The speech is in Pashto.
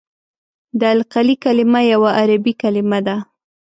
د القلي کلمه یوه عربي کلمه ده.